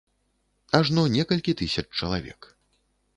Ажно некалькі тысяч чалавек.